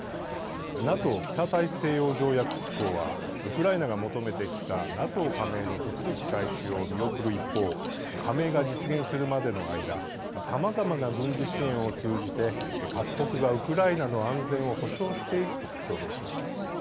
ＮＡＴＯ＝北大西洋条約機構はウクライナが求めてきたＮＡＴＯ加盟の手続き開始を見送る一方加盟が実現するまでの間さまざまな軍事支援を通じて各国がウクライナの安全を保障していくと表明しました。